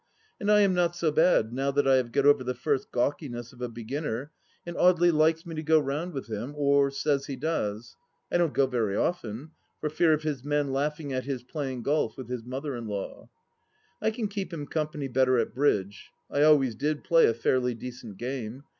And I am not so bad, now that I have got over the first gawkiness of a beginner, and Audely likes me to go round with him, or says he does. I don't go very often, for fear of his men laughing at his playing golf with his mother in law ! I can keep him company better at Bridge. I always did play a fairly decent game.